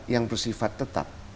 yang bersifat tetap